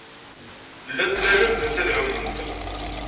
Llant la lemmdent ad ɛument.